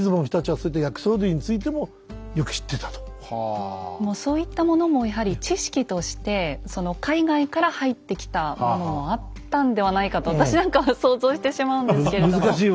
ですからそういったものもやはり知識として海外から入ってきたものもあったんではないかと私なんかは想像してしまうんですけれども。